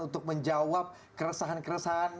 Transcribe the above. untuk menjawab keresahan keresahan